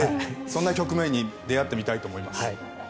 そんな局面に出会ってみたいと思います。